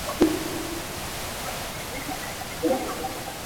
Dawihthiam pa nih a dawih i a va ah aa vat ter.